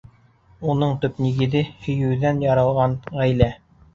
Уның төп нигеҙе — һөйөүҙән яралған ғаилә.